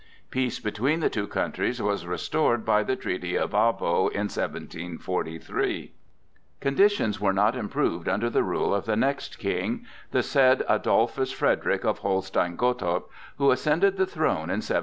Peace between the two countries was restored by the treaty of Abo in 1743. Conditions were not improved under the rule of the next King,—the said Adolphus Frederick of Holstein Gottorp, who ascended the throne in 1751.